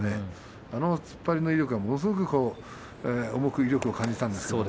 あの突っ張りの威力がすごく重く威力が感じたんですよね。